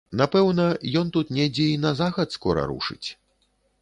Напэўна, ён тут недзе і на захад скора рушыць.